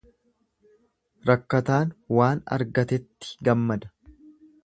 Rakkataan waan argatetti gammada.